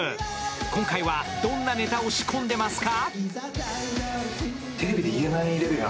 今回はどんなネタを仕込んでますか？